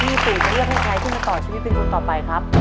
พี่ตุ๋จะเลือกให้ใครขึ้นมาต่อชีวิตเพียงคุณต่อไปครับ